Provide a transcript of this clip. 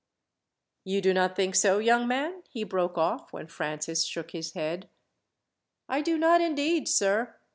"You do not think so, young man?" he broke off, when Francis shook his head. "I do not, indeed, sir.